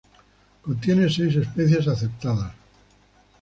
Contiene seis especies aceptadas.